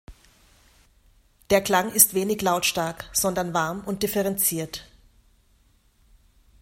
Der Klang ist wenig lautstark, sondern warm und differenziert.